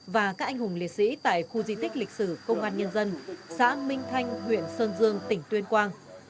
và các anh hùng liệt sĩ tại khu di tích lịch sử công an nhân dân xã minh thanh huyện sơn dương tỉnh tuyên quang